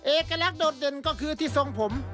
เอกลักษณ์โดดเด่นก็คือที่ทรงผม